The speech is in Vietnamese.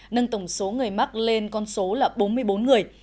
nâng tổng số người mắc lên con số là bốn mươi bốn người